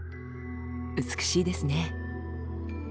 美しいですね。